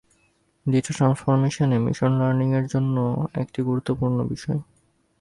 Data transformation machine learning এর জন্য একটি গুরুত্বপূর্ণ বিষয়।